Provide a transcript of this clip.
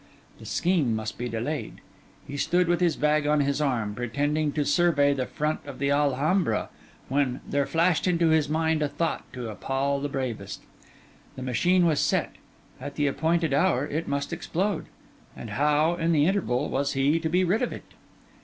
The scheme must be delayed. He stood with his bag on his arm, pretending to survey the front of the Alhambra, when there flashed into his mind a thought to appal the bravest. The machine was set; at the appointed hour, it must explode; and how, in the interval, was he to be rid of it?